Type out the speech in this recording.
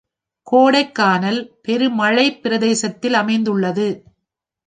கோடைக்கானல் பெருமழைப் பிரதேசத்தில் அமைந்துள்ளது.